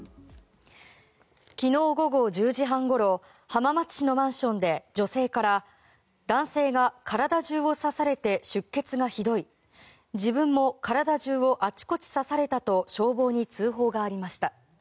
昨日午後１０時半ごろ浜松市のマンションで女性から、男性が体中を刺されて出血がひどい自分も体中をあちこち刺されたと消防に通報がありました。